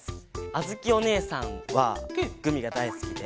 あづきおねえさんはグミがだいすきで。